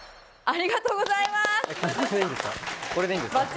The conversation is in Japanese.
ありがとうございます。